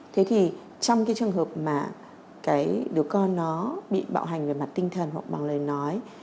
thế thì trong trường hợp mà đứa con bị bạo hành về mặt tinh thần hoặc bằng lời nói